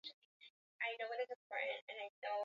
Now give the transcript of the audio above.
Pilipili kali sana.